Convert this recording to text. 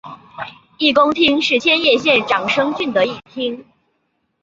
一宫町是千叶县长生郡的一町。